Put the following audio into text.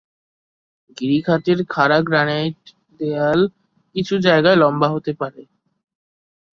গিরিখাতের খাড়া গ্রানাইট দেয়াল কিছু জায়গায় লম্বা হতে পারে।